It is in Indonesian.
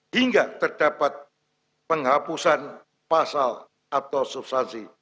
hingga terdapat penghapusan pasal atau substansi